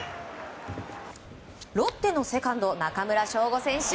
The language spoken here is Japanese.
ロッテのセカンド、中村奨吾選手